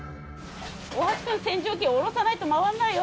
大橋くん洗浄機下ろさないと回らないよ